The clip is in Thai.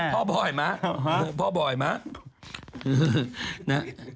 พ่อบ่อยมั้ยพ่อบ่อยมั้ย